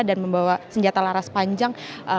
dan membawa senjata laras panjang